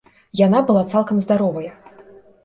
Яна была цалкам здаровая.